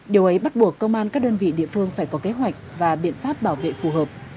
điều ấy bắt buộc công an các đơn vị địa phương phải có kế hoạch và biện pháp bảo vệ phù hợp